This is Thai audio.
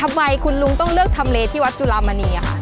ทำไมคุณลุงต้องเลือกทำเลที่วัดจุลามณีค่ะ